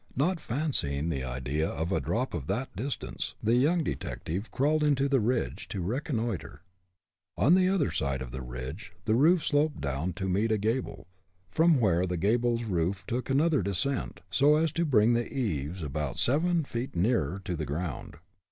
Not fancying the idea of a drop of that distance, the young detective crawled to the ridge, to reconnoiter. On the other side of the ridge, the roof sloped down to meet a gable, from where the gable's roof took another descent, so as to bring the eaves about seven feet nearer to the ground.